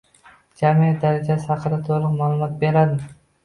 jamiyat darajasi haqida to‘liq ma’lumot beradi.